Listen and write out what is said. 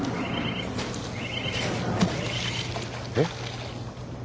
えっ。